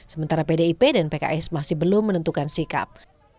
sementara pdip dan pks masih belum menentukan sikap